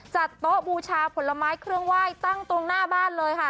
จัดโต๊ะบูชาผลไม้เครื่องไหว้ตั้งตรงหน้าบ้านเลยค่ะ